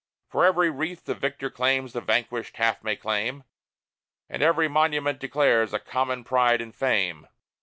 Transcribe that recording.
For every wreath the victor wears The vanquished half may claim; And every monument declares A common pride and fame.